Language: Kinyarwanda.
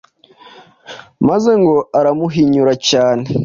maze ngo aramuhinyura cyane